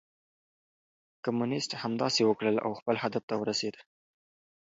کمونيسټ همداسې وکړل او خپل هدف ته ورسېد.